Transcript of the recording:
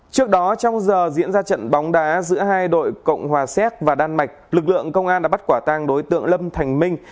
trước đó trong giờ diễn ra trận bóng đá giữa hai đội cộng hòa xéc và đan mạch lực lượng công an đã bắt quả tang đối tượng lâm thành minh